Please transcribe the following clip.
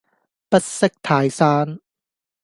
不識泰山